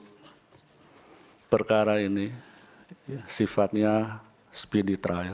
hai perkara ini sifatnya speedy trial